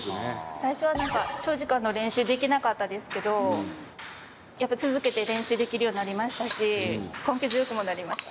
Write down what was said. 最初は何か長時間の練習できなかったですけどやっぱ続けて練習できるようになりましたし根気強くもなりました。